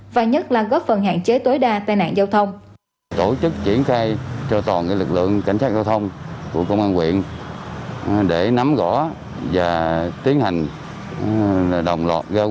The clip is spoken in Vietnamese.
và nhất là góp phần hạn chế tối đa tai nạn giao thông